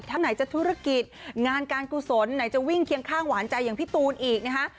ถ้าไหนจะธุรกิจงานการกุศลไหนจะวิ่งเคียงข้างหวานใจอย่างพี่ตูนอีกนะคะ